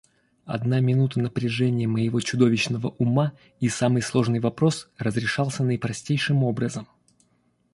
Одна минута напряжения моего чудовищного ума, и самый сложный вопрос разрешался наипростейшим образом.